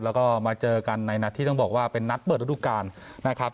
แล้วก็มาเจอกันในนัดที่ต้องบอกว่าเป็นนัดเปิดระดูการนะครับ